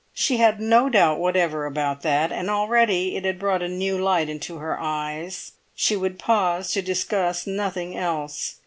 She had no doubt whatever about that, and already it had brought a new light into her eyes. She would pause to discuss nothing else.